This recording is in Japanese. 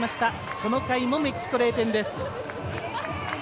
この回もメキシコ、０点です。